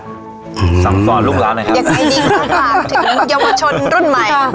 อยากใช้ดินของความถึงเยาวชนรุ่นใหม่